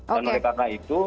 oke dan oleh karena itu